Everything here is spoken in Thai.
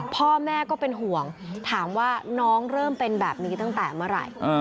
พ่อแม่ก็เป็นห่วงถามว่าน้องเริ่มเป็นแบบนี้ตั้งแต่เมื่อไหร่